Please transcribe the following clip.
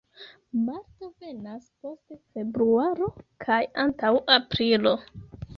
Marto venas post februaro kaj antaŭ aprilo.